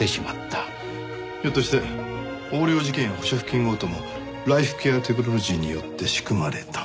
ひょっとして横領事件や保釈金強盗もライフケアテクノロジーによって仕組まれた？